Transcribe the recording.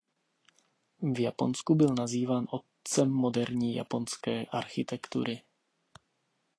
V Japonsku byl nazýván „"otcem moderní japonské architektury"“.